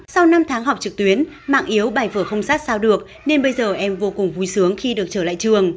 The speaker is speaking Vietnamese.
sau năm tháng học trực tuyến mạng yếu bài vở không sát sao được nên bây giờ em vô cùng vui sướng khi được trở lại trường